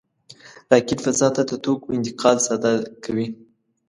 راکټ فضا ته د توکو انتقال ساده کوي